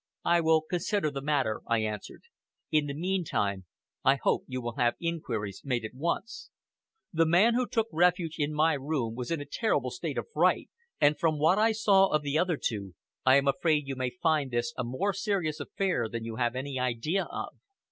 "I will consider the matter," I answered. "In the meantime, I hope you will have inquiries made at once. The man who took refuge in my room was in a terrible state of fright, and from what I saw of the other two, I am afraid you may find this a more serious affair than you have any idea of.